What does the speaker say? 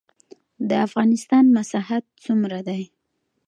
د افغانستان مساحت څومره دی؟